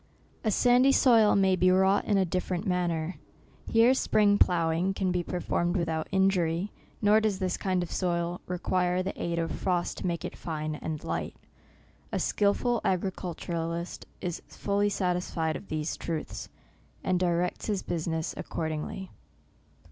A sandy soil may be wrought in a different manner. Here spring ploughing can be per formed without injury, nor does this kind of soil require the aid of frost to make it fine and light. A skilful agriculturist is fully sat isfied of these truths, and directs his business accordingly.